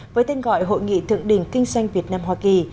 với tên gọi hội nghị thượng đỉnh kinh doanh việt nam hoa kỳ